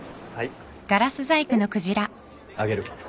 あげる。